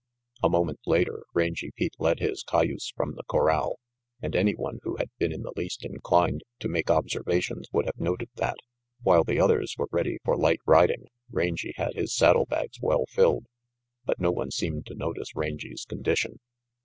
A moment later Rangy Pete led his cayuse from the corral, and any one who had been in the least inclined to make observations would have noted that, while the others were ready for light riding, Rangy had his saddle bags well filled. But no one seemed to notice Rangy's condition.